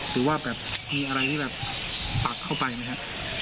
หรือว่าแบบมีอะไรที่แบบปักเข้าไปไหมครับ